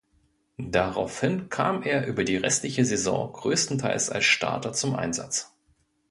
Daraufhin kam er für die restliche Saison größtenteils als Starter zum Einsatz.